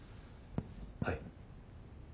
はい。